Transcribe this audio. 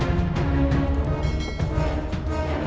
ini dia siapa ya